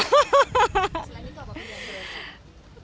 selain itu apa pilihan di luar surabaya